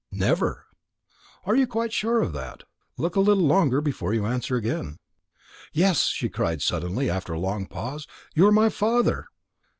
"Never." "Are you quite sure of that? Look a little longer before you answer again." "Yes!" she cried suddenly, after a long pause. "You are my father!"